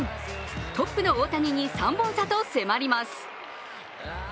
トップの大谷に３本差と迫ります。